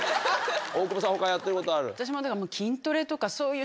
大久保さん他やってることある？